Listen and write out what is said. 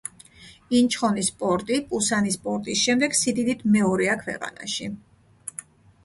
ინჩხონის პორტი პუსანის პორტის შემდეგ, სიდიდით მეორეა ქვეყანაში.